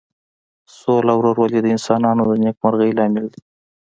سوله او ورورولي د انسانانو د نیکمرغۍ لامل ده.